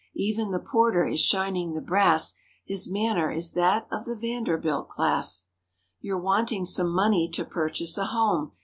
Even the porter is shining the brass— His manner is that of the Vanderbilt class. You're wanting some money to purchase a home.